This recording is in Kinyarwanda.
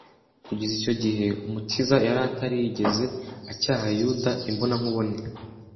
Kugeza icyo gihe, Umukiza yari atari yigeze acyaha Yuda imbonankubone